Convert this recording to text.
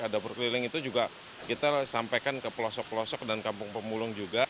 dapur keliling itu juga kita sampaikan ke pelosok pelosok dan kampung pemulung juga